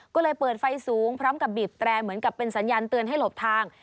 ก็เลยเปิดไฟสูงพร้อมกับบีบแตรเหมือนกับเป็นสัญญาณเตือนให้หลบทาง